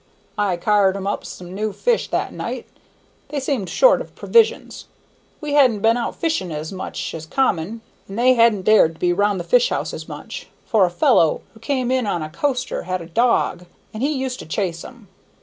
I car'd 'em up some new fish that night; they seemed short of provisions. We hadn't been out fishing as much as common, and they hadn't dared to be round the fish houses much, for a fellow who came in on a coaster had a dog, and he used to chase 'em.